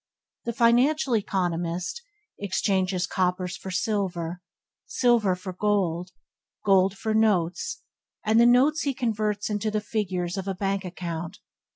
The financial economist exchanges coppers for silver, silver for gold, gold for notes, and the notes he converts into the figures of a bank account.